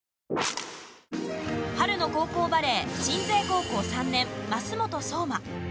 春の高校バレー鎮西高校３年、舛本颯真。